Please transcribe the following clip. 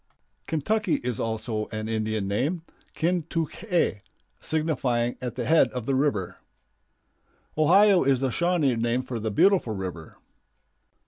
Kentucky is also an Indian name, "Kin tuk ae," signifying "at the head of the river." Ohio is the Shawnee name for "the beautiful river."